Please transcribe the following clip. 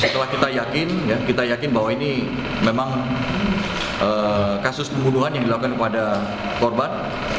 setelah kita yakin kita yakin bahwa ini memang kasus pembunuhan yang dilakukan kepada korban